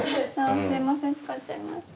すいません使っちゃいました。